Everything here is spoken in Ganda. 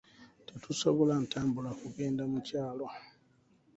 Tetusobola ntambula kugenda mu kyalo.